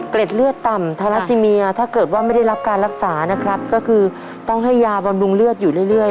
เลือดต่ำทาราซิเมียถ้าเกิดว่าไม่ได้รับการรักษานะครับก็คือต้องให้ยาบำรุงเลือดอยู่เรื่อย